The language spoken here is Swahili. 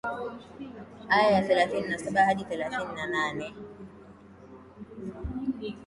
aya ya thelathini na saba hadi thelathini na nane